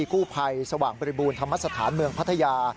กู้ภัยสว่างบริบูรณธรรมสถานเมืองพัทยา